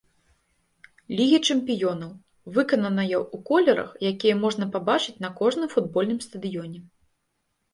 Лігі чэмпіёнаў, выкананая ў колерах, якія можна пабачыць на кожным футбольным стадыёне.